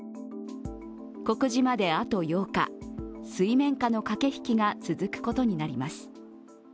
告示まであと８日、水面下の駆け引きが続くことになります。